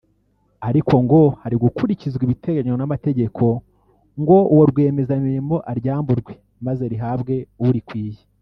ariko ngo hari gukurikizwa ibiteganywa n’amategeko ngo uwo rwiyemezamirimo aryamburwe maze rihabwe urikwiye